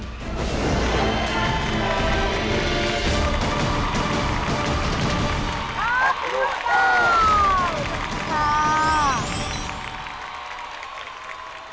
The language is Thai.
สวัสดีครับ